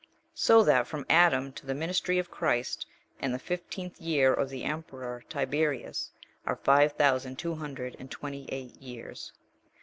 So that from Adam to the ministry of Christ and the fifteenth year of the emperor Tiberius, are five thousand two hundred and twenty eight years.